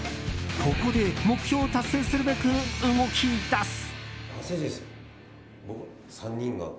ここで目標を達成するべく動き出す。